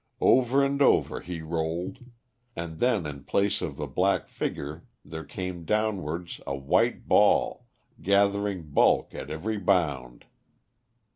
Over and over he rolled, and then in place of the black figure there came downwards a white ball, gathering bulk at every bound.